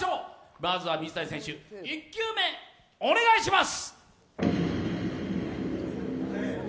まずは水谷選手、１球目、お願いします。